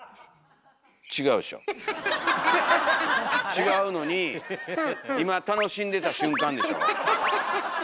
違うのに今楽しんでた瞬間でしょ？